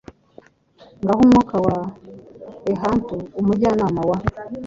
Ngaho umwuka wa Æhantuumujyanama wa